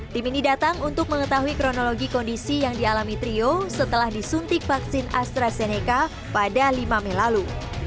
tim ini datang untuk mengetahui kronologi kondisi yang dialami trio setelah disuntik vaksin astrazeneca pada lima mei lalu